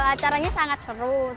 acaranya sangat seru